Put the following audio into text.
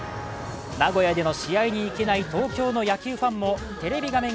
名古屋での試合に行けない東京の野球ファンもテレビ画面